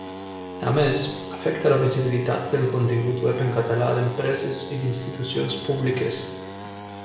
A més, afecta la visibilitat del contingut web en català d'empreses i d'institucions públiques.